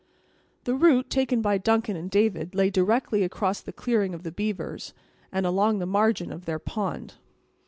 The route taken by Duncan and David lay directly across the clearing of the beavers, and along the margin of their pond.